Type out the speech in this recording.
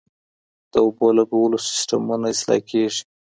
د اوبو لګولو سیستمونه اصلاح کېږي.